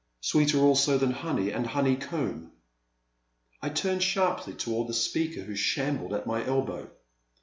Sweeter also than honey and the honey comb !*' I turned sharply toward the speaker who sham bled at my elbow.